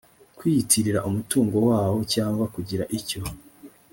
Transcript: kwiyitirira umutungo wawo cyangwa kugira icyo